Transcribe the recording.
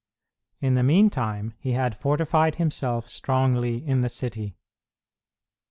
In the meantime, he had fortified himself strongly in the city.